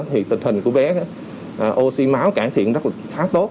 thì tình hình của bé oxy máu cải thiện rất là khá tốt